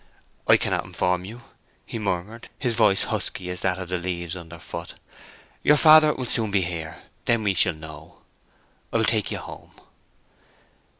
"I cannot inform you," he murmured, his voice as husky as that of the leaves underfoot. "Your father will soon be here. Then we shall know. I will take you home."